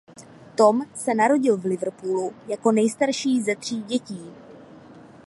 Tom se narodil v Liverpoolu jako nejstarší ze tří dětí.